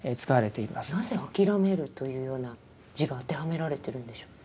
なぜ「諦める」というような字が当てはめられてるんでしょう？